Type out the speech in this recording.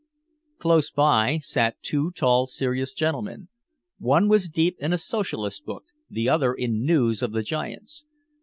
Close by sat two tall serious men. One was deep in a socialist book, the other in news of the Giants.